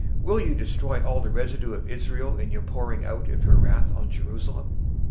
wilt thou destroy all the residue of Israel in thy pouring out of thy fury upon Jerusalem?